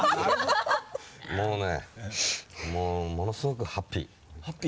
もうねもうものすごくハッピー。